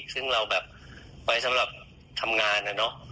ซึ่งเราแบบไว้สำหรับทำงาน